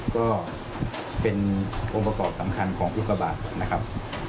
ก็เป็นองค์ประกอบสำคัญของพุทธบาทนะครับ